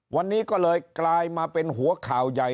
วันนี้ก็เลยกลายมาเป็นหัวข่าวใหญ่